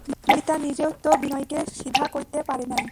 ললিতা নিজেও তো বিনয়কে সিধা করিতে পারে নাই।